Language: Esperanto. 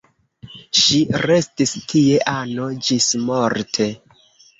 Ŝi restis tie ano ĝismorte.